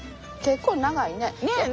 結構長いね。ね。